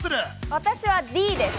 私はＤです。